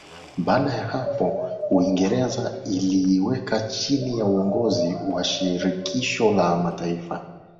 Baada ya hapo Uingereza iliiweka chini ya uongozi wa Shirikisho la Mataifa